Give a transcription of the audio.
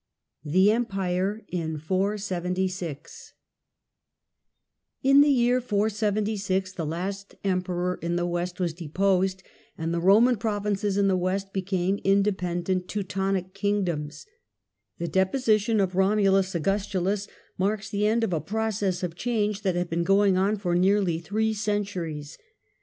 tons CHAPTEE II THE EMPIEE IN 476 The Em TN the year 476 the last Emperor in the west was theVeu deposed, and the Roman provinces in the west became independent Teutonic kingdoms. The deposi tion of Romulus Augustulus marks the end of a process of change that had been going on for nearly three centuries.